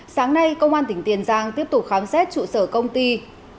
sáng nay công an tỉnh tiền giang tiếp tục khám xét trụ sở công ty